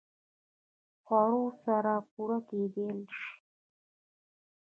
خوړو سره پوره کېدای شي